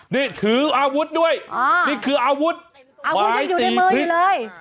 นี่ถืออาวุธด้วยอ่านี่คืออาวุธอาวุธยังอยู่ในมืออยู่เลย